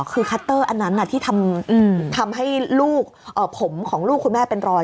คือคัตเตอร์อันนั้นที่ทำให้ลูกผมของลูกคุณแม่เป็นรอย